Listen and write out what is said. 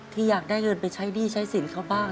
อยากได้เงินไปใช้หนี้ใช้สินเขาบ้าง